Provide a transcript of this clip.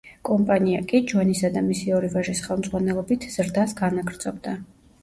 კომპანია კი, ჯონისა და მისი ორი ვაჟის ხელმძღვანელობით ზრდას განაგრძობდა.